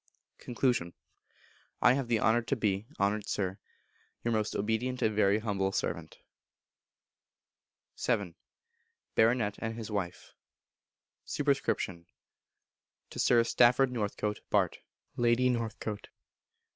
Con. I have the honour to be, Honoured Sir, Your most obedient and very humble servant. vii. Baronet and His Wife. Sup. To Sir Stafford Northcote, Bart. (Lady Northcote).